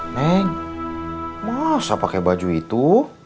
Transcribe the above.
neng masa pakai baju itu